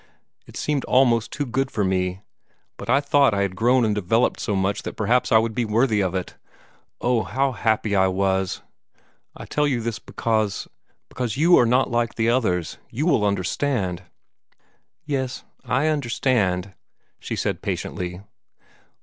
It seemed almost too good for me, but I thought I had grown and developed so much that perhaps I would be worthy of it. Oh, how happy I was! I tell you this because because YOU are not like the others. You will understand." "Yes, I understand," she said patiently.